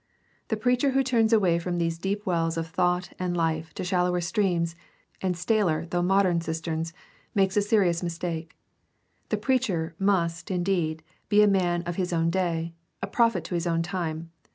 The preacher who turns away from these deep wells of thought and hfe to shallower streams, and staler, though more modern cisterns, makes a serious mistake. The preacher must, indeed, be a man of his own day — a prophet to his own time.